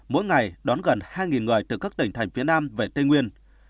mỗi ngày đón gần hai người từ các tỉnh thành phía nam về tây nguyên